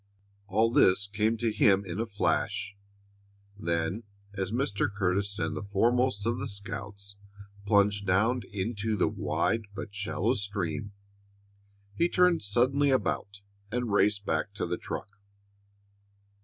All this came to him in a flash; then, as Mr. Curtis and the foremost of the scouts plunged down into the wide, but shallow, stream, he turned suddenly about and raced back to the truck.